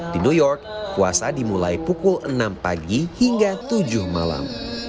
di new york puasa dimulai pukul enam pagi hingga tujuh malam